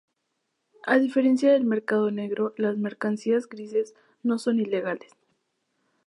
A diferencia del mercado negro, las mercancías 'grises' no son ilegales.